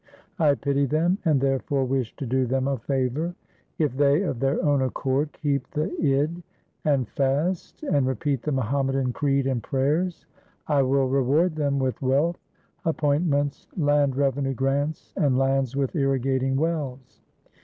I pity them and therefore wish to do them a favour. If they of their own accord keep the Id, and fast, and repeat the Muhammadan creed and prayers, I will reward them with wealth, appointments, land revenue grants, and lands with irrigating wells.